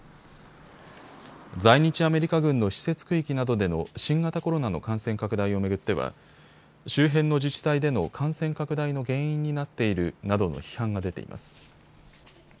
在日アメリカ軍の施設区域などでの新型コロナの感染拡大を巡っては周辺の自治体での感染拡大の原因になっているなどの批判が出ています。